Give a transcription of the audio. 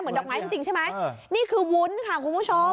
ดอกไม้จริงใช่ไหมนี่คือวุ้นค่ะคุณผู้ชม